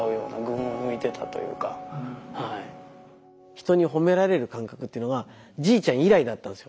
人に褒められる感覚っていうのはじいちゃん以来だったんですよ。